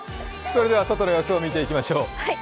それでは外の様子を見ていきましょう。